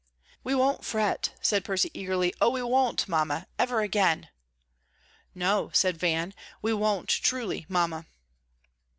"We won't fret," said Percy, eagerly. "Oh, we won't, Mamma, ever again." "No," said Van, "we won't, truly, Mamma."